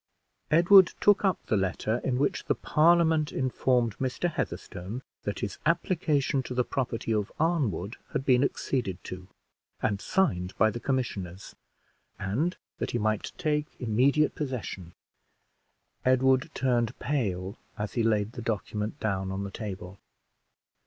Edward took up the letter in which the Parliament informed Mr. Heatherstone that his application to the property of Arnwood had been acceded to, and signed by the commissioners; and that he might take immediate possession. Edward turned pale as he laid the document down on the table.